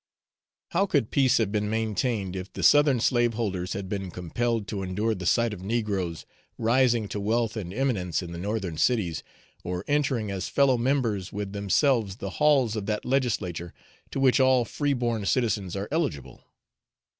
How could peace have been maintained if the Southern slaveholders had been compelled to endure the sight of negroes rising to wealth and eminence in the Northern cities, or entering as fellow members with themselves the halls of that legislature to which all free born citizens are eligible?